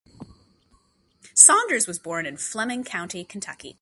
Saunders was born in Fleming County, Kentucky.